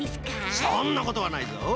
そんなことはないぞ。